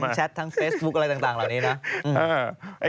แชททั้งเฟซบุ๊คอะไรต่างเหล่านี้นะ